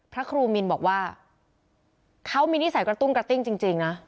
พระครูมินบอกว่าเขามีนิสัยกระตุ้งกระติ้งจริงนะ